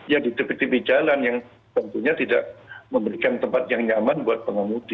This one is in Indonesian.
ya di tepi tepi jalan yang tentunya tidak memberikan tempat yang nyaman buat pengemudi